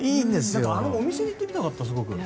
あのお店に行ってみたかった。